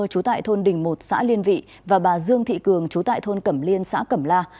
chú tại thôn đình một xã liên vị và bà dương thị cường chú tại thôn cẩm liên xã cẩm la